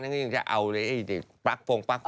ยังอยากเอาผล๊ากฟงแปลกไฟ